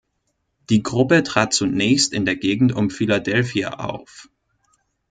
Die Gruppe trat zunächst in der Gegend um Philadelphia auf.